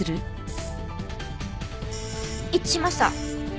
一致しました。